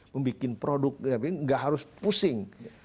membuat produk nggak harus pusing